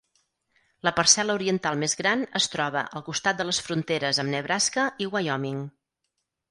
La parcel·la oriental més gran es troba al costat de les fronteres amb Nebraska i Wyoming.